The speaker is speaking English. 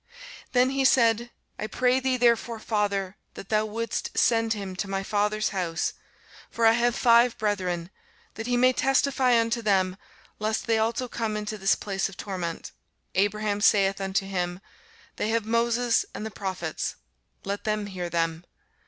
Then he said, I pray thee therefore, father, that thou wouldest send him to my father's house: for I have five brethren; that he may testify unto them, lest they also come into this place of torment. Abraham saith unto him, They have Moses and the prophets; let them hear them.